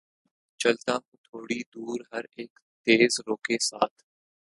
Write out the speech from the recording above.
چلتا ہوں تھوڑی دور‘ ہر اک تیز رو کے ساتھ